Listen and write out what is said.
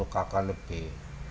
delapan puluh kakak lebih